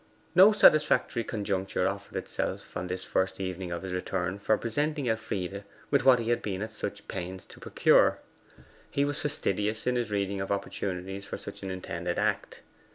No satisfactory conjuncture offered itself on this first evening of his return for presenting Elfride with what he had been at such pains to procure. He was fastidious in his reading of opportunities for such an intended act.